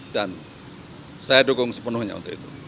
dan saya dukung sepenuhnya untuk itu